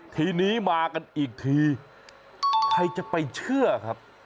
ทีนี้มากันอีกทีใครจะไปเชื่อครับ